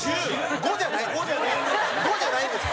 ５じゃないんですか？